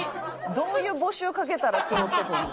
どういう募集かけたら募ってくるの？